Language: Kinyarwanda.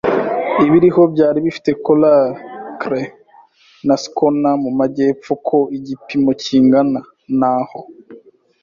Ibiriho byari bifite coracle na schooner mu majyepfo ku gipimo kingana. Naho